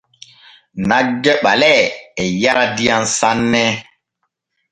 Nagge ɓalee e yara diyam sanne.